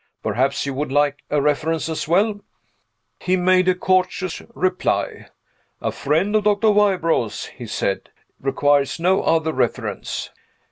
Perhaps you would like a reference as well?" He made a courteous reply. "A friend of Dr. Wybrow's," he said, "requires no other reference."